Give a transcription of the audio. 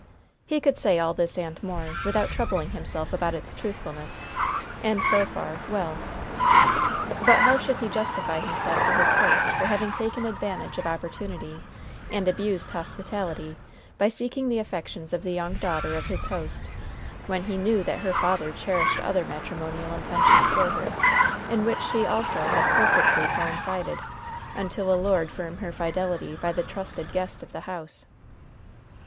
He could say all this and more, without troubling himself about its truthfulness; and so far, well. But how should he justify himself to his host for having taken advantage of opportunity and abused hospitality by seeking the affections of the young daughter of his host, when he knew that her father cherished other matrimonial intentions for her, in which she also had perfectly coincided, until allured from her fidelity by the trusted guest of the house?